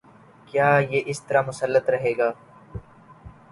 کیا یہ اسی طرح مسلط رہے گا؟